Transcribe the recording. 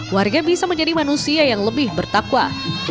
warga bisa menjadi manusia yang lebih bertakwa